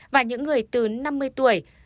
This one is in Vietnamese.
và những người từ năm mươi tuổi